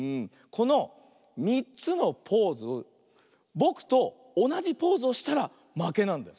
この３つのポーズぼくとおなじポーズをしたらまけなんだよ。